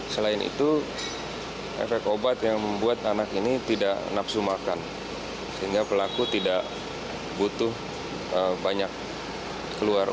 selain itu efek obat yang membuat anak ini tidak nafsu makan sehingga pelaku tidak butuh banyak keluar